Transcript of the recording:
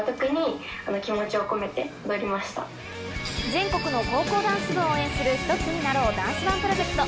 全国の高校ダンス部を応援する、一つになろう、ダンスＯＮＥプロジェクト。